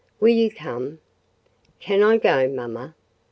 Will you come?" "Can I go, mamma?"